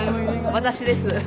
私です。